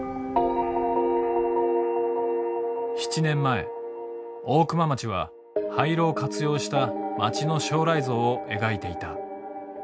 ７年前大熊町は廃炉を活用した町の将来像を描いていた。